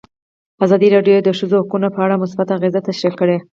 ازادي راډیو د د ښځو حقونه په اړه مثبت اغېزې تشریح کړي.